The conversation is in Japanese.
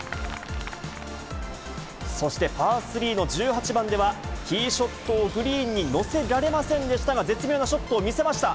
そしてパー３の１８番では、ティーショットをグリーンに乗せられませんでしたが、絶妙なショットを見せました。